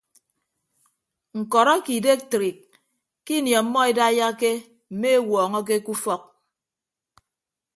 Ñkọrọ ake idektrik ke ini ọmmọ edaiyake mme ewuọñọke ke ufọk.